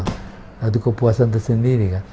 itu kepuasan tersendiri kan